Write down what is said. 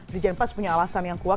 di jempas punya alasan yang kuat